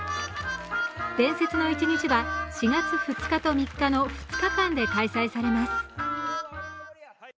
「伝説の一日」は４月２日と３日の２日間開催されます。